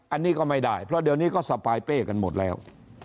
อันนี้ก็ไม่ได้เพราะเดี๋ยวนี้ก็สปายเป้กันหมดแล้ว